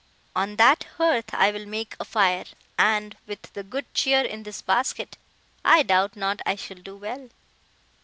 On that hearth I will make a fire, and, with the good cheer in this basket, I doubt not I shall do well."